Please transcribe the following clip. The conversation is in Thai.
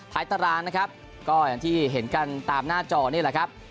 ตารางนะครับก็อย่างที่เห็นกันตามหน้าจอนี่แหละครับ